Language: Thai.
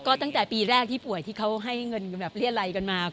ก็ตั้งแต่ปีแรกที่ป่วยที่เขาให้เงินแบบเรียดไรกันมา